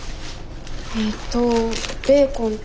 えっとベーコンと。